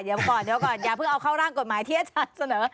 เดี๋ยวก่อนเดี๋ยวก่อนอย่าเพิ่งเอาเข้าร่างกฎหมายที่อาจารย์เสนอ